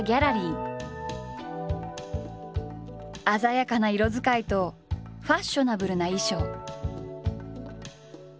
鮮やかな色使いとファッショナブルな衣装。